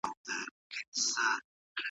که ښځه کور ته نه راځي، قاضي پرېکړه کوي.